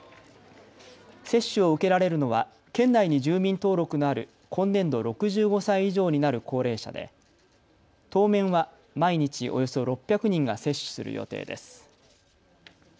接種を受けられるのは県内に住民登録のある今年度６５歳以上になる高齢者で当面は毎日およそ６００人が接種する予定です。